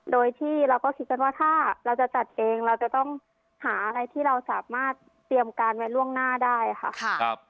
โดยที่เราก็คิดกันว่าถ้าเราจะจัดเองเราจะต้องหาอะไรที่เราสามารถเตรียมการไว้ล่วงหน้าได้ค่ะ